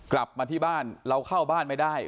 กลับมาที่บ้านเราเข้าบ้านไม่ได้